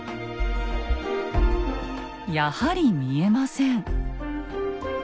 やはり見えません。